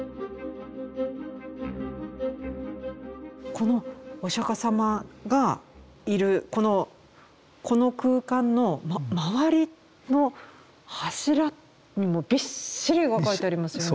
このお釈迦様がいるこの空間の周りの柱にもびっしり絵が描いてありますよね。